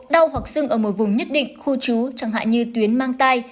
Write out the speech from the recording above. đau hoặc sưng ở một vùng nhất định khu trú chẳng hạn như tuyến mang tai